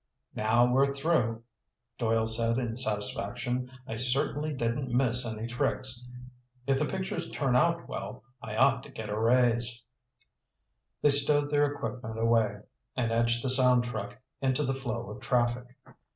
"Now we're through," Doyle said in satisfaction. "I certainly didn't miss any tricks! If the pictures turn out well, I ought to get a raise." They stowed their equipment away and edged the sound truck into the flow of traffic.